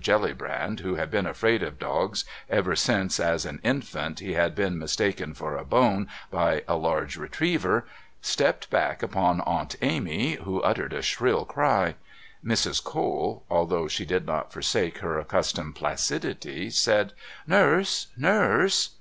Jellybrand, who had been afraid of dogs ever since, as an infant, he had been mistaken for a bone by a large retriever, stepped back upon Aunt Amy, who uttered a shrill cry. Mrs. Cole, although she did not forsake her accustomed placidity, said: "Nurse... Nurse..."